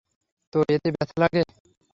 তো, এতে ব্যথা লাগে?